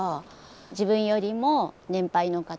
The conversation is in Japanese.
自分よりも年配の方